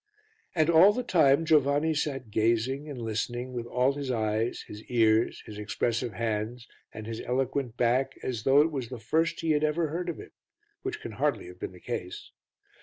And all the time Giovanni sat gazing and listening with all his eyes, his ears, his expressive hands and his eloquent back as though it was the first he had ever heard of it, which can hardly have been the case.